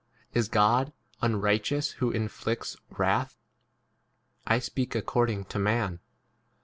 Is God unrighteous who inflicts wrath ? b I speak according to 6 man.